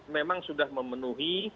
memang sudah memenuhi